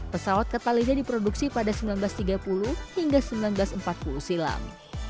pesawat catalina diproduksi pada seribu sembilan ratus tiga puluh hingga seribu sembilan ratus empat puluh silam